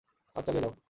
কাজ চালিয়ে যাও।